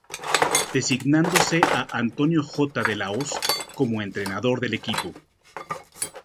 Designándose a Antonio J. de La Hoz como entrenador del equipo.